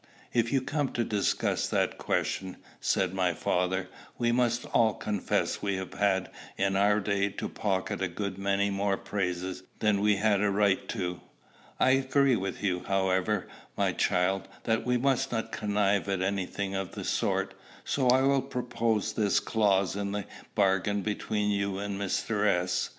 "If you come to discuss that question," said my father, "we must all confess we have had in our day to pocket a good many more praises than we had a right to. I agree with you, however, my child, that we must not connive at any thing of the sort. So I will propose this clause in the bargain between you and Mr. S.